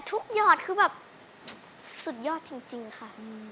หยอดคือแบบสุดยอดจริงค่ะ